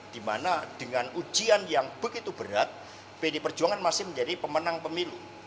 dimana dengan ujian yang begitu berat pd perjuangan masih menjadi pemenang pemilu